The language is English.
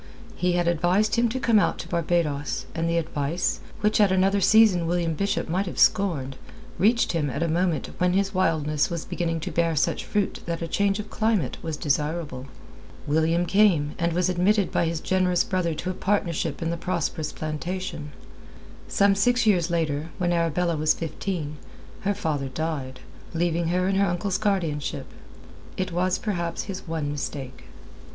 He had advised him to come out to Barbados; and the advice, which at another season William Bishop might have scorned, reached him at a moment when his wildness was beginning to bear such fruit that a change of climate was desirable. William came, and was admitted by his generous brother to a partnership in the prosperous plantation. Some six years later, when Arabella was fifteen, her father died, leaving her in her uncle's guardianship. It was perhaps his one mistake.